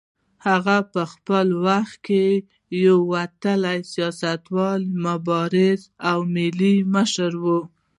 هغه د خپل وخت یو وتلی سیاستوال، مبارز او ملي مشر و.